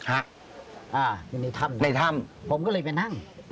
อ่าในถ้ำน่ะผมก็เลยไปนั่ง